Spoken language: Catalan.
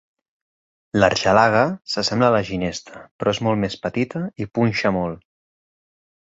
L'argelaga s'assembla a la ginesta però és molt més petita i punxa molt.